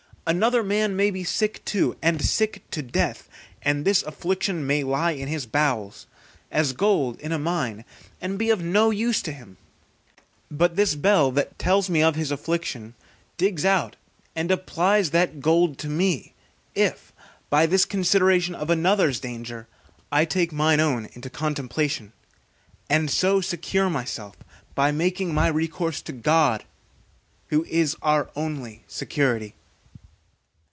Another man may be sick too, and sick to death, and this affliction may lie in his bowels, as gold in a mine, and be of no use to him; but this bell, that tells me of his affliction, digs out and applies that gold to me: if by this consideration of another's danger I take mine own into contemplation, and so secure myself, by making my recourse to my God, who is our only security.